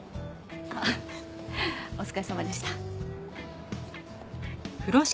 あっお疲れさまでした。